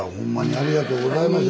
ありがとうございます。